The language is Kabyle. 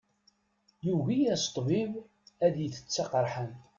Yugi-yas ṭṭbib ad itett aqerḥan.